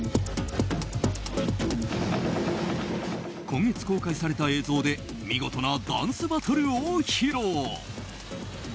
今月、公開された映像で見事なダンスバトルを披露。